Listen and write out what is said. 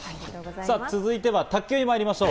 続いては卓球に参りましょう。